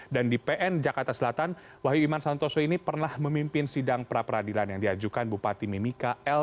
dan di pn jakarta selatan wahyu iman santoso ini pernah memimpin sidang praperadilan yang diajukan bupati mimika l